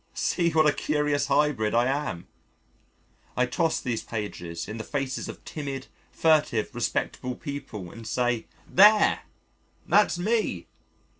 See what a curious hybrid I am! I toss these pages in the faces of timid, furtive, respectable people and say: "There! that's me!